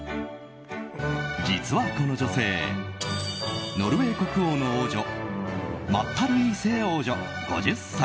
実はこの女性ノルウェー国王の長女マッタ・ルイーセ王女、５０歳。